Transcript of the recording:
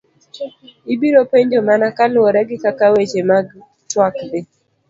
Ibiro penjo mana kaluwore gi kaka weche mag tuak dhi.